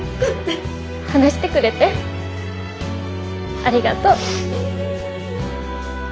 話してくれてありがとう。